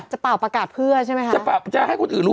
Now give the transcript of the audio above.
เป่าประกาศเพื่อใช่ไหมคะจะให้คนอื่นรู้